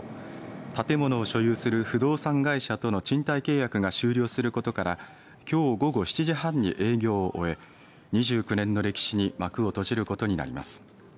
建物を所有する不動産会社との賃貸契約が終了することからきょう午後７時半に営業を終え２９年の歴史に幕を閉じることになります。